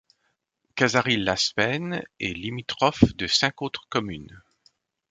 Cazarilh-Laspènes est limitrophe de cinq autres communes.